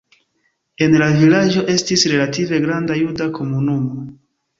En la vilaĝo estis relative granda juda komunumo.